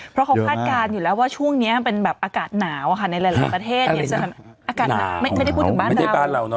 เพราะเขาพลาดการณ์อยู่แล้วว่าช่วงเนี้ยเป็นแบบอากาศหนาวค่ะในหลายประเทศอากาศหนาวไม่ได้พูดถึงบ้านเรา